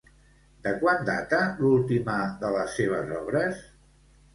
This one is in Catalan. De quan data l'última de les seves obres?